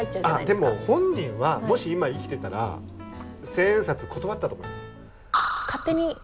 でも本人はもし今生きてたら千円札断ったと思います。